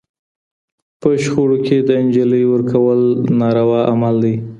په شخړو کي د نجلۍ ورکول ناروا عمل دی